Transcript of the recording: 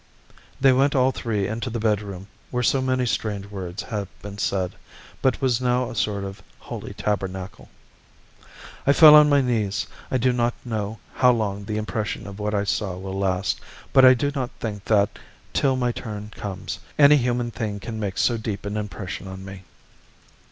They went all three into the bed room where so many strange words have been said, but was now a sort of holy tabernacle. I fell on my knees. I do not know how long the impression of what I saw will last, but I do not think that, till my turn comes, any human thing can make so deep an impression on me.